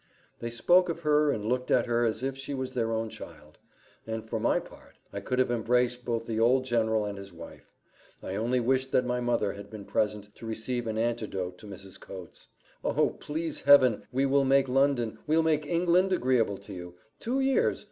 They spoke of her, and looked at her, as if she was their own child; and for my part, I could have embraced both the old general and his wife. I only wished that my mother had been present to receive an antidote to Mrs. Coates. "Oh! please Heaven, we will make London we'll make England agreeable to you two years!